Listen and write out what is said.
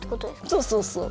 そうそうそう。